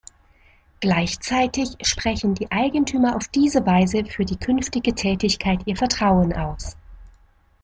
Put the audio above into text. Gleichzeitig sprechen die Eigentümer auf diese Weise für die künftige Tätigkeit ihr Vertrauen aus.